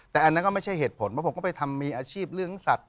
แต่อันนั้นก็ไม่ใช่เหตุผลเพราะผมก็ไปทำมีอาชีพเลี้ยงสัตว